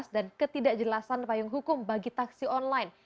dan ketidakjelasan payung hukum bagi taksi online